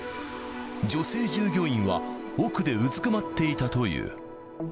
女性従業員は奥でうずくまっていたという。